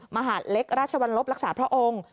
มหาดเล็กราชวรรลบรักษาพระองค์